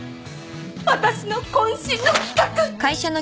私の渾身の企画！